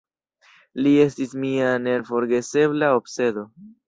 Li estis mia neforgesebla obsedo.